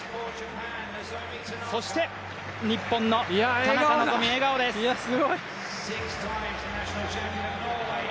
日本の田中希実、笑顔です。